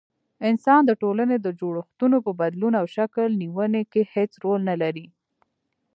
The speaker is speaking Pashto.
انسان د ټولني د جوړښتونو په بدلون او شکل نيوني کي هيڅ رول نلري